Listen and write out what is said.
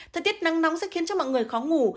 thời tiết nắng nóng sẽ khiến cho mọi người khó ngủ